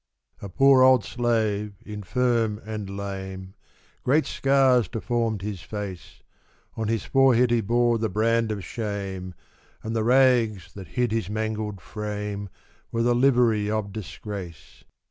A poor old slave, infirm and lame; Great scars deformed his face; On his forehead he bore the brand of shame, And the rags, that hid his mangled frame, Were the livery of disgrace.